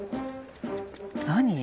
何？